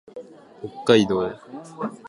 北海道音威子府村